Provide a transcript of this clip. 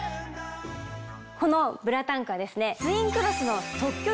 このブラタンクはですね。